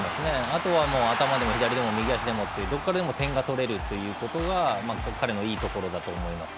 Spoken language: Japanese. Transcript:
あとは、頭でも左でも右足でもどこからでも点が取れるのが彼のいいところだと思います。